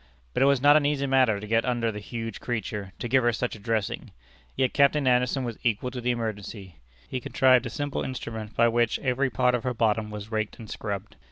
But it was not an easy matter to get under the huge creature, to give her such a dressing. Yet Captain Anderson was equal to the emergency. He contrived a simple instrument by which every part of her bottom was raked and scrubbed.